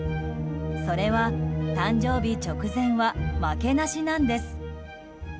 それは誕生日直前は負けなしなんです。